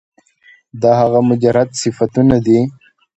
دا هغه مجرد صفتونه دي